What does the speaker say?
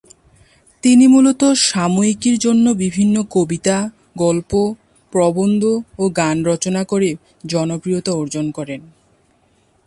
তিনি মূলত সাময়িকীর জন্য বিভিন্ন কবিতা, গল্প, প্রবন্ধ ও গান রচনা করে জনপ্রিয়তা অর্জন করেন।